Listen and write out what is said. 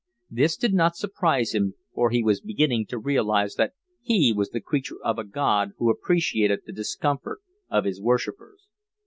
This did not surprise him, for he was beginning to realise that he was the creature of a God who appreciated the discomfort of his worshippers.